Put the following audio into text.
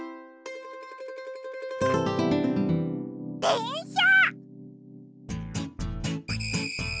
でんしゃ。